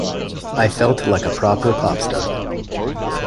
I felt like a proper pop star.